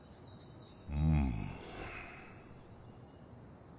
うん。